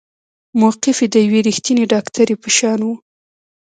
موقف يې د يوې رښتينې ډاکټرې په شان وه.